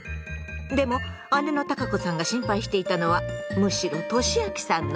でも姉のたかこさんが心配していたのはむしろとしあきさんの方で。